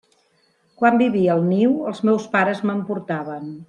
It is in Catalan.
Quan vivia al niu, els meus pares me'n portaven.